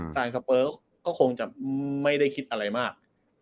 ทางสเปอร์ก็คงจะไม่ได้คิดอะไรมาก